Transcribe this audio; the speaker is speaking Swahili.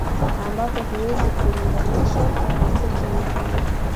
Ampapo huwezi ukalinganisha na sekta nyingine